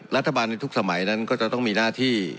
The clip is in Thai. รัฐบาลในทุกสมัยนั้นก็จะต้องมีหน้าที่